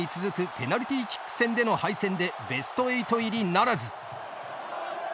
ペナルティーキック戦での敗戦で、ベスト８入りならず。